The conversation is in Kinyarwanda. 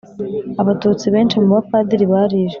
Abatutsi benshi mu bapadiri barishwe.